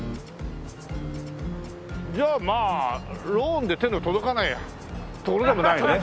じゃあまあローンで手の届かないところでもないね。